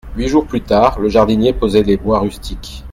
Huit jours plus tard, le jardinier posait les bois rustiques.